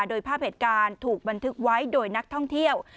โดยภาพเหตุการณ์ถูกบันทึกไว้โดยนักท่องเที่ยว